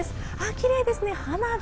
きれいですね、花火。